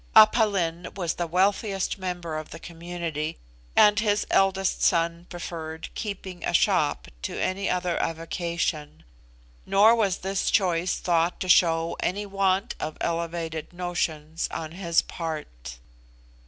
Aph Lin was the wealthiest member of the community, and his eldest son preferred keeping a shop to any other avocation; nor was this choice thought to show any want of elevated notions on his part.